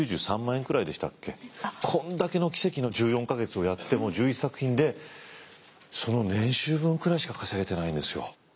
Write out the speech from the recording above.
こんだけの奇跡の１４か月をやっても１１作品でその年収分くらいしか稼げてないんですよ。